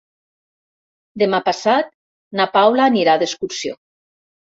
Demà passat na Paula anirà d'excursió.